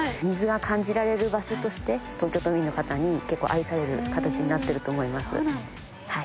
水が感じられる場所として東京都民の方に結構愛される形になってると思います。